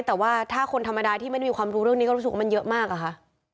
แต่ว่าถ้าคนธรรมดาที่ไม่ได้มีความรู้เรื่องนี้ก็รู้สึกว่ามันเยอะมากอะค่ะ